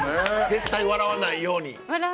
絶対に笑わないように。